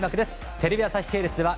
テレビ朝日系列では